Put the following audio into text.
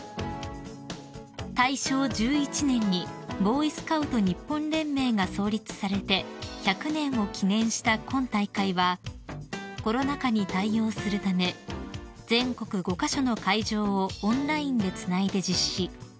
［大正１１年にボーイスカウト日本連盟が創立されて１００年を記念した今大会はコロナ禍に対応するため全国５カ所の会場をオンラインでつないで実施］